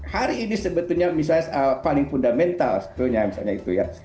hari ini sebetulnya misalnya paling fundamental sebetulnya misalnya itu ya